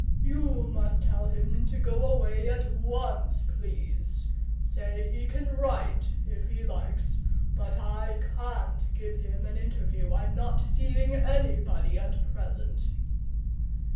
You must tell him to go away at once, please. Say he can write if he likes, but I can't give him an interview. I'm not seeing anybody at present."